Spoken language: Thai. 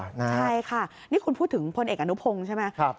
ใช่ค่ะนี่คุณพูดถึงพลเอกอนุพงศ์ใช่ไหม